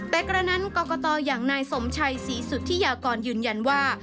แต่กระนั้นกรกตอย่างนายสมชัยศรีสุธิยากรยืนยันว่า